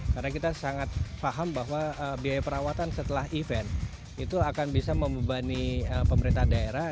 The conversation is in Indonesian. karena kita sangat paham bahwa biaya perawatan setelah event itu akan bisa membebani pemerintah daerah